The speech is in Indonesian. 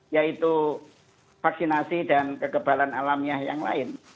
yaitu vaksinasi dan kegebalan alamnya yang lain